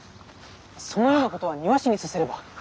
そのようなことは庭師にさせれば。